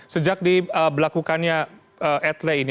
sejak diberlakukannya atle ini